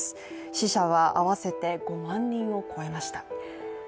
死者は合わせて５万人を超えました。